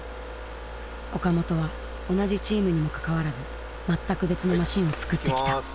岡本は同じチームにもかかわらず全く別のマシンを作ってきた。